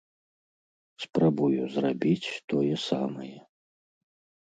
Спрабую зрабіць тое самае.